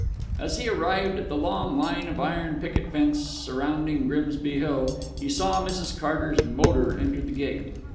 As he arrived at the long line of iron picket fence surrounding Grimsby Hill, he saw Mrs. Carter's motor enter the gate.